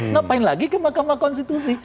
ngapain lagi ke mahkamah konstitusi